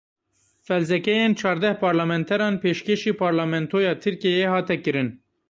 Felzekeyên çardeh parlamenteran pêşkêşî Parlamentoya Tirkiyeyê hate kirin.